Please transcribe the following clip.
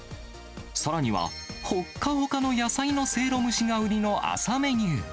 さらには、ほっかほかの野菜のせいろ蒸しが売りの朝メニュー。